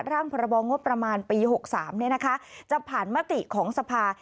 พรบงบประมาณปี๖๓จะผ่านมติของสภา